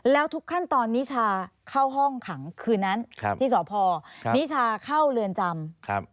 แล้วทุกขั้นตอนนิชาเข้าห้องขังคืนนั้นที่สพนิชาเข้าเรือนจำ